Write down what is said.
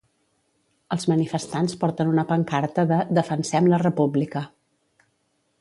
Els manifestants porten una pancarta de ‘Defensem la República’.